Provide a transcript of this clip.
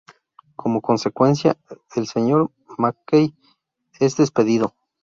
Como consecuencia, el Sr Mackey es despedido.